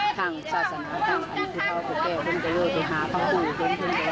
ทางศาสนาตรรย์อันที่๙ประแก่วงศาโยศีษภาพปู่เต็มเต็มเต็ม